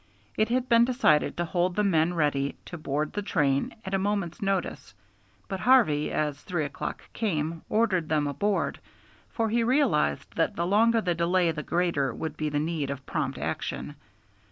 It had been decided to hold the men ready to board the train at a moment's notice; but Harvey, as three o'clock came, ordered them aboard, for he realized that the longer the delay the greater would be the need of prompt action.